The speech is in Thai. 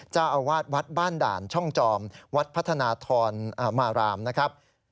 เจ้าอาวาสวัดบ้านด่านช่องจอมวัดพัฒนาธรมารามนะครับ